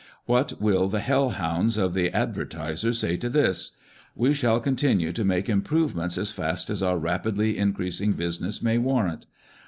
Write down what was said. What will the Hell hounds of the Ad vertiser say to this ? We shall continue to make improvements as fast as our rapidly in creasing business may warrant.